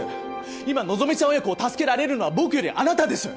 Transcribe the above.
今希ちゃん親子を助けられるのは僕よりあなたです！